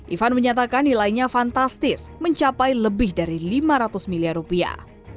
ivan menyatakan nilainya fantastis mencapai lebih dari lima ratus miliar rupiah